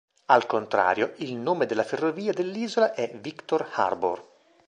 Al contrario, il nome della ferrovia dell'isola è "Victor Harbour".